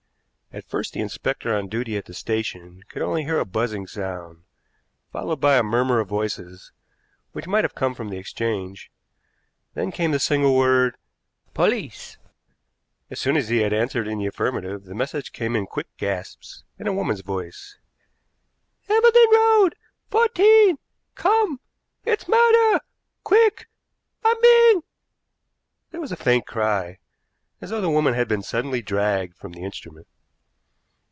At first the inspector on duty at the station could only hear a buzzing sound, followed by a murmur of voices, which might have come from the exchange; then came the single word, "Police!" As soon as he had answered in the affirmative the message came in quick gasps in a woman's voice: "Hambledon Road fourteen come it's murder! Quick, I'm being " There was a faint cry, as though the woman had been suddenly dragged from the instrument.